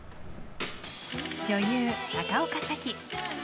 女優・高岡早紀。